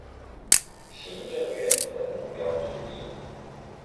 行政院的目標之一